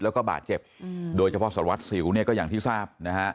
แล้วก็บาดเจ็บโดยเฉพาะสารวัตรสิวเนี่ยก็อย่างที่ทราบนะฮะ